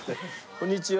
こんにちは。